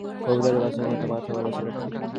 কবুতরের বাসার মতো মাথাওয়ালা ছেলেটা।